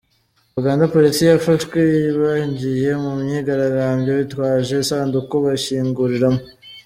Uganda: Polisi yafashwe abagiye mu myigaragambyo bitwaje isanduku bashyinguramo.